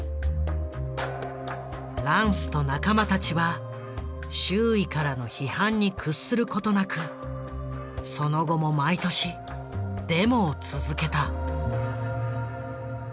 ランスと仲間たちは周囲からの批判に屈することなくその後も毎年デモを続けた。